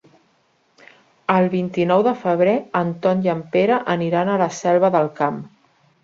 El vint-i-nou de febrer en Ton i en Pere aniran a la Selva del Camp.